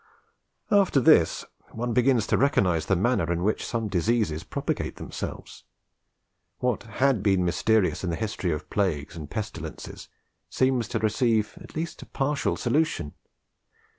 After this, one begins to recognise the manner in which some diseases propagate themselves. What had been mysterious in the history of plagues and pestilences seems to receive at least a partial solution.